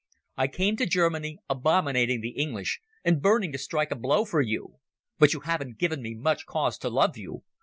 I came to Germany abominating the English and burning to strike a blow for you. But you haven't given me much cause to love you.